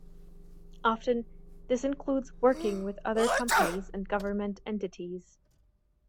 Often this includes working with other companies and government entities.